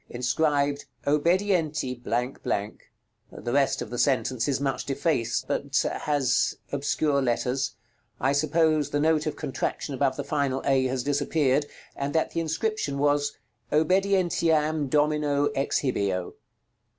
Inscribed "OBEDIENTI ;" the rest of the sentence is much defaced, but looks like [Illustration: Graphic signs]. I suppose the note of contraction above the final A has disappeared and that the inscription was "Obedientiam domino exhibeo."